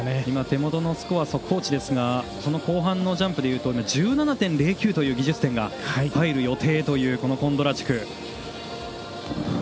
今、手元のスコア速報値ですがその後半のジャンプでいうと１７．０９という技術点が入る予定というコンドラチュク。